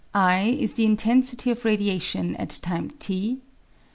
I = intensity of radiation at time, t.